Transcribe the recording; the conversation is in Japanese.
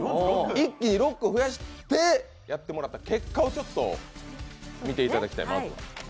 一気に６個増やしてやってもらった結果をちょっと見ていただきたいまずは。